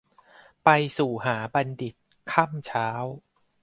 ไปสู่หาบัณทิต ค่ำเช้า